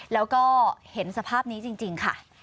แล้วก็เห็นสภาพนี้จริงค่ะ